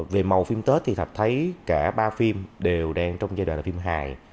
về màu phim tết thì thạch thấy cả ba phim đều đang trong giai đoạn là phim hài